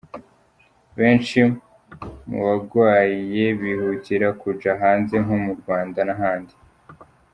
Benshi mu bagwaye bihutira kuja hanze nko mu Rwanda n'ahandi.